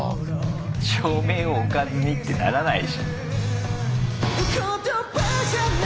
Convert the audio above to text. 照明をおかずにってならないっしょ。